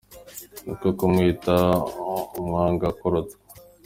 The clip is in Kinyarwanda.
Ni ko kumwita umwangakurutwa.